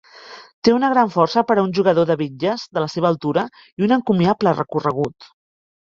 Té una gran força per a un jugador de bitlles de la seva altura i un encomiable recorregut.